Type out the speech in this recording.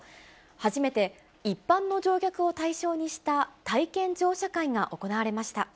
初めて一般の乗客を対象にした体験乗車会が行われました。